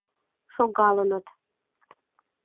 Шогалыныт.